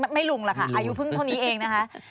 ไม่ลุงหรอกค่ะอายุเพิ่งเท่านี้เองนะคะ